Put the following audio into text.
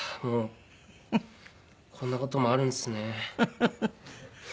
もうこんな事もあるんですね。